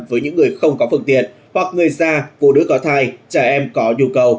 với những người không có phương tiện hoặc người già cô đứa có thai trẻ em có nhu cầu